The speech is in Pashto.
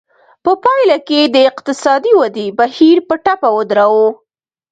په پایله کې د اقتصادي ودې بهیر په ټپه ودراوه.